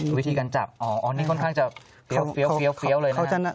วิธีการจับอ๋อนี่ค่อนข้างจะเฟี้ยวเลยนะ